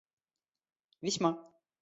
весьма